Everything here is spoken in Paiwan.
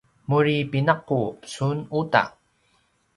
muri pinaqup sun uta!